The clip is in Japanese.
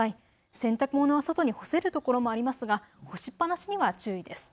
洗濯物は外に干せるところもありますが干しっぱなしには注意です。